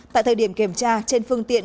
tại thời điểm kiểm tra trên phương tiện